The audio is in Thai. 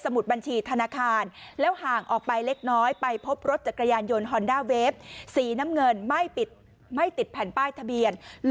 สมุดบัญชีธนาคารแล้วห่างออกไปเล็กน้อย